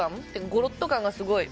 ゴロッと感がすごい。